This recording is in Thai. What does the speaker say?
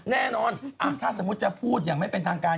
แน่นอนถ้าสมมุติจะพูดอย่างไม่เป็นทางการ